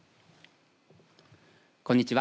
こんにちは